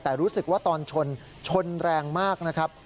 แต่รู้สึกว่าตอนชนชนแรงมากนะครับ